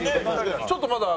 ちょっとまだ。